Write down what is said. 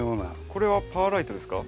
これはパーライトですか？